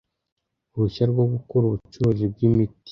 Uruhushya rwo gukora ubucuruzi bw imiti